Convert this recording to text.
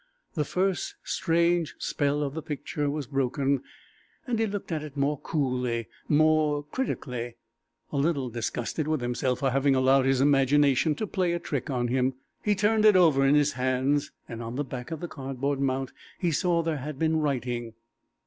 The first strange spell of the picture was broken, and he looked at it more coolly, more critically, a little disgusted with himself for having allowed his imagination to play a trick on him. He turned it over in his hands, and on the back of the cardboard mount he saw there had been writing.